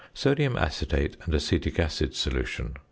_Sodic Acetate and Acetic Acid Solution.